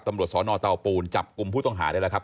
ตำรวจสนเตาปูนจับกลุ่มผู้ต้องหาได้แล้วครับ